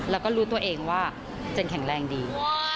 แล้วก็รู้ตัวเองว่าเจนแข็งแรงดี